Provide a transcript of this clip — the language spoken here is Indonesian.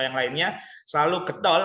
yang lainnya selalu getol